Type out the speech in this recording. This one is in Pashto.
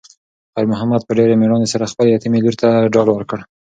خیر محمد په ډېرې مېړانې سره خپلې یتیمې لور ته ډاډ ورکړ.